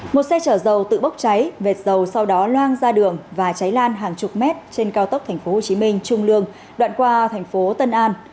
một xe chở dầu tự bốc cháy vệt dầu sau đó loang ra đường và cháy lan hàng chục mét trên cao tốc tp hcm trung lương đoạn qua thành phố tân an